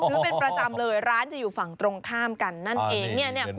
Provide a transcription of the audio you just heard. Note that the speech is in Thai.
ซื้อเป็นประจำเลยร้านจะอยู่ฝั่งตรงข้ามกันนั่นเอง